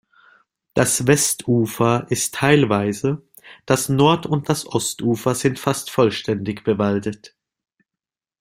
Das Westufer ist teilweise, das Nord- und das Ostufer sind fast vollständig bewaldet.